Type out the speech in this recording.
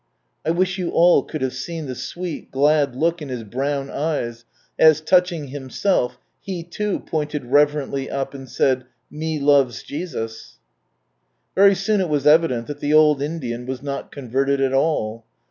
I wish you all could have seen the sweet, glad look in his brown eyes, as, touching himself, he too pointed reverently up, and said, "jl/f loi'ii Jtsus" Very soon it was evident that the old Indian was not converted at all.